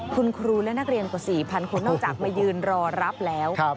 คุณครูและนักเรียนกว่า๔๐๐คนนอกจากมายืนรอรับแล้ว